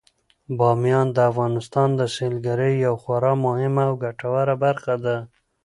بامیان د افغانستان د سیلګرۍ یوه خورا مهمه او ګټوره برخه ده.